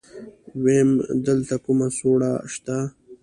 ويم دلته کومه سوړه شته.